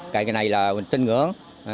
cái này là mình tin ngưỡng